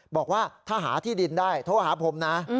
บอกว่าถ้าหาที่ดินได้โทรหาผมนะ